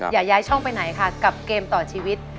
อย่าย้ายช่องไปไหนค่ะกับเกมต่อชีวิต